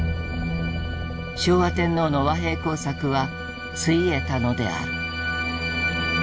昭和天皇の和平工作はついえたのである。